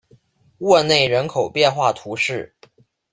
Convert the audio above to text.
沃内人口变化图示